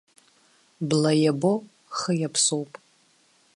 Бла иабо-хы иаԥсоуп.